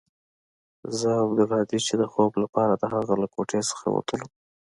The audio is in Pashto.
زه او عبدالهادي چې د خوب لپاره د هغه له کوټې څخه وتلو.